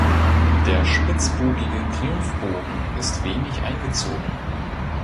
Der spitzbogige Triumphbogen ist wenig eingezogen.